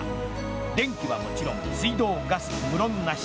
電気はもちろん水道、ガス、無論なし。